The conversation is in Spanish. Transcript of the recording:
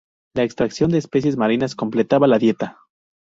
La extracción de especies marinas completaba la dieta.